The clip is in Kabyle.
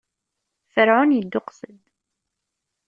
Ferɛun idduqes-d.